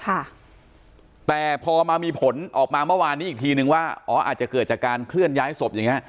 ค่ะแต่พอมามีผลออกมาเมื่อวานนี้อีกทีนึงว่าอ๋ออาจจะเกิดจากการเคลื่อนย้ายศพอย่างเงี้